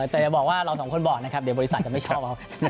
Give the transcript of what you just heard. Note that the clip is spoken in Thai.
แต่อย่าบอกว่าเราสองคนบอกนะครับเดี๋ยวบริษัทจะไม่ชอบเอา